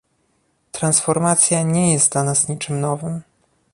Transformacja nie jest dla nas niczym nowym